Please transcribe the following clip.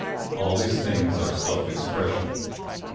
All these things are self expression.